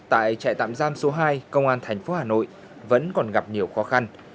tại trại tạm giam số hai công an thành phố hà nội vẫn còn gặp nhiều khó khăn